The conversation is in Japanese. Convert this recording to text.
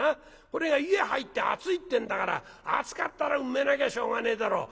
これが湯へ入って熱いってんだから熱かったらうめなきゃしょうがねえだろう。